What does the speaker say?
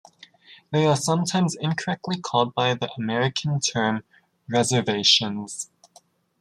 They are sometimes incorrectly called by the American term "reservations".